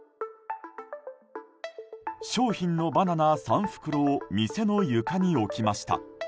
商品のバナナ３袋を店の床に置きました。